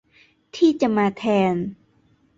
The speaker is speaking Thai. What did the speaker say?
ที่จะมาแทน